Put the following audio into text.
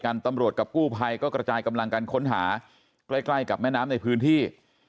ตำรวจกับกู้ภัยก็กระจายกำลังกันค้นหาใกล้ใกล้กับแม่น้ำในพื้นที่